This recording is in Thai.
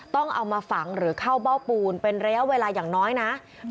ต้องเอามาฝังหรือเข้าเบ้าปูนเป็นระยะเวลาอย่างน้อยนะ